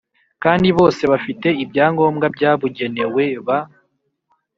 kandi bose bafite ibyangombwa byabugenewe ba